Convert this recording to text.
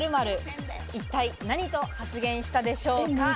一体、何と発言したでしょうか？